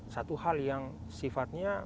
satu hal yang sifatnya